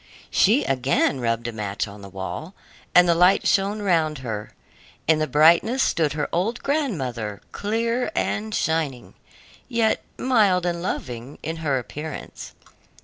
She again rubbed a match on the wall, and the light shone round her; in the brightness stood her old grandmother, clear and shining, yet mild and loving in her appearance.